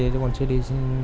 chứ còn chưa đi